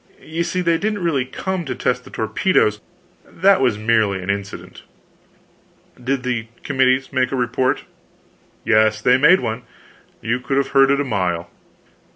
You see they didn't really come to test the torpedoes; that was merely an incident." "Did the committee make a report?" "Yes, they made one. You could have heard it a mile."